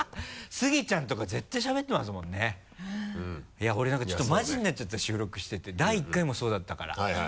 いや俺なんかちょっとマジになっちゃった収録してて第１回もそうだったから。